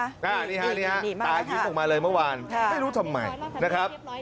อันนี้ฮะนี่ฮะตายิ้มออกมาเลยเมื่อวานไม่รู้ทำไมนะครับ